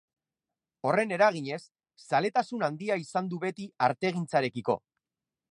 Horren eraginez, zaletasun handia izan du beti artegintzarekiko.